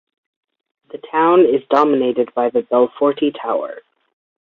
The town is dominated by the Belforti tower.